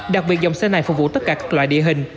đặc biệt dòng xe này phục vụ tất cả các loại địa hình